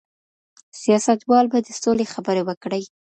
سیاستوال به د سولي خبري وکړي.